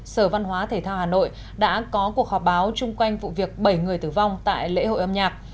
sở văn hóa thể thao hà nội đã có cuộc họp báo chung quanh vụ việc bảy người tử vong tại lễ hội âm nhạc